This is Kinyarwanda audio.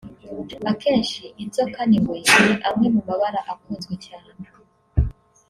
akenshi inzoka n’ingwe ni amwe mu mabara akunzwe cyane